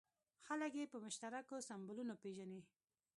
خلک یې په مشترکو سیمبولونو پېژني.